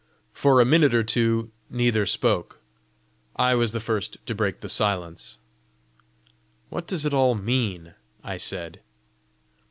For a minute or two neither spoke. I was the first to break the silence. "What does it all mean?" I said.